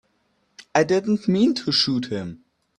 I didn't mean to shoot him.